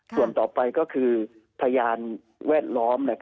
ส่วนต่อไปก็คือพยานแวดล้อม